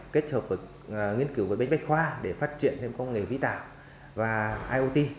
kết hợp nghiên cứu với bến bách khoa để phát triển thêm công nghệ ví tạo và iot